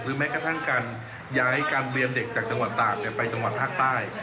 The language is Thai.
แม้กระทั่งการย้ายการเรียนเด็กจากจังหวัดตากไปจังหวัดภาคใต้